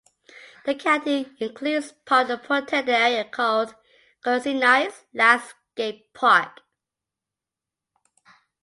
The county includes part of the protected area called Kozienice Landscape Park.